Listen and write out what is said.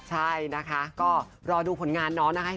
ใช่นะคะก็รอดูผลงานน้องนะคะ